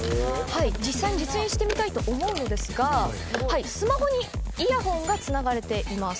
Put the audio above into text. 実際に実演してみたいと思うのですがスマホにイヤホンがつながれています。